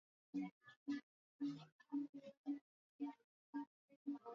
utulivu katika mkoa huo Pamoja na kuundwa